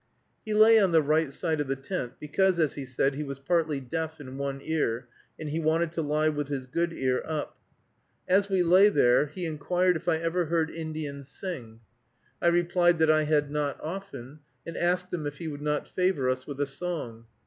He lay on the right side of the tent, because, as he said, he was partly deaf in one ear, and he wanted to lie with his good ear up. As we lay there, he inquired if I ever heard "Indian sing." I replied that I had not often, and asked him if he would not favor us with a song.